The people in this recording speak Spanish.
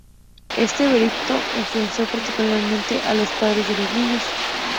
Este veredicto enfureció particularmente a los padres de los niños.